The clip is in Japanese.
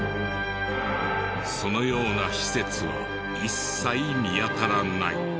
そのような施設は一切見当たらない。